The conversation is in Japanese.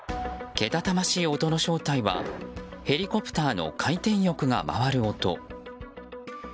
けたたましい音の正体はヘリコプターの回転翼が回る音。